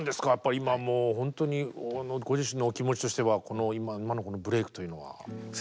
今もう本当にご自身のお気持ちとしてはこの今のこのブレークというのは。